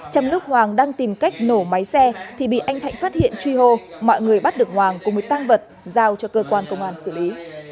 trong lúc hoàng đang tìm cách nổ máy xe thì bị anh thạnh phát hiện truy hô mọi người bắt được hoàng cùng với tăng vật giao cho cơ quan công an xử lý